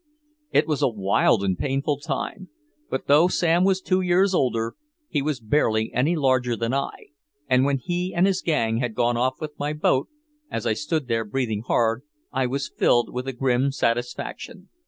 It was a wild and painful time. But though Sam was two years older, he was barely any larger than I, and when he and his gang had gone off with my boat, as I stood there breathing hard, I was filled with a grim satisfaction.